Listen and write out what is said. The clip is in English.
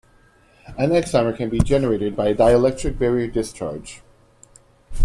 An excimer can be generated by a dielectric barrier discharge.